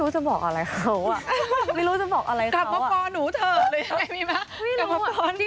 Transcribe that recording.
สเตอร์แล้วไม๊๐๙๙